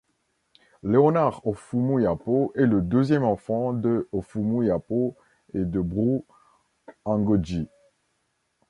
Léonard Offoumou Yapo est le deuxième enfant de Offoumou Yapo et de Brou Angodji.